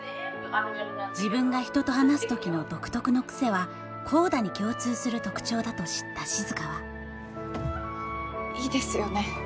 自分が人と話す時の独特の癖はＣＯＤＡに共通する特徴だと知った静はいいですよね